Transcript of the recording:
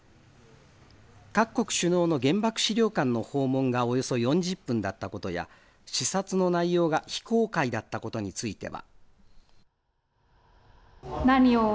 各国首脳の原爆資料館の訪問がおよそ４０分だったことや視察の内容が非公開だったことについては。